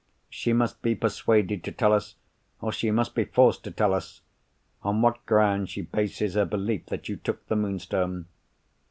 She must be persuaded to tell us, or she must be forced to tell us, on what grounds she bases her belief that you took the Moonstone.